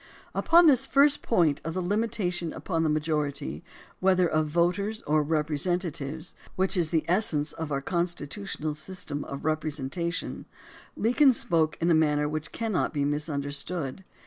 Upon this first point of the limitation upon the majority, whether of voters or representatives, which is the essence of our constitutional system of repre sentation, Lincoln spoke in a manner which cannot be misunderstood.